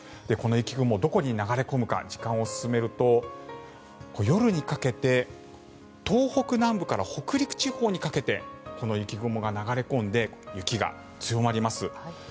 この雪雲、どこに流れ込むか時間を進めると夜にかけて東北南部から北陸地方にかけてこの雪雲が流れ込んで雪が強まります。